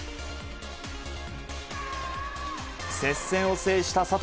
接戦を制した佐藤。